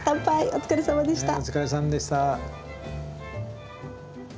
お疲れさんでした。